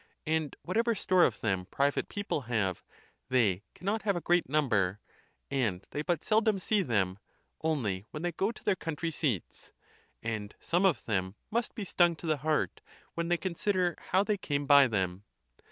And whatever store of them private people have, they can _ not have a great number, and they but seldom see them, only when they go to their country seats; and some of them must be stung to the heart when they consider how they came by them.